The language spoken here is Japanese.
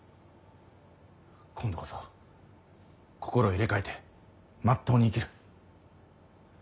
今度こそ心を入れ替えてまっとうに生きる。